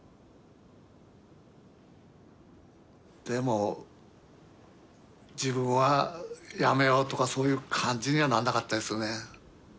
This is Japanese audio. でも自分はやめようとかそういう感じにはなんなかったですよね。